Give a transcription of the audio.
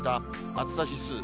暑さ指数。